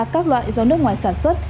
các loại do nước ngoài sản xuất